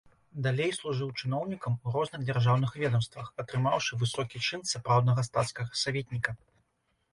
Далей служыў чыноўнікам у розных дзяржаўных ведамствах, атрымаўшы высокі чын сапраўднага стацкага саветніка.